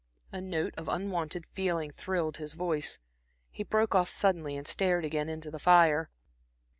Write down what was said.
A note of unwonted feeling thrilled his voice. He broke off suddenly and stared again into the fire.